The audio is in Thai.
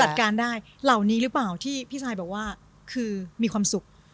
จัดการได้เหล่านี้หรือเปล่าที่พี่ซายบอกว่าคือมีความสุข